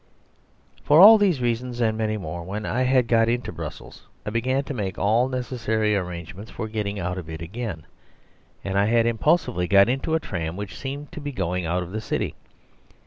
..... For all these reasons, and many more, when I had got into Brussels I began to make all necessary arrangements for getting out of it again; and I had impulsively got into a tram which seemed to be going out of the city.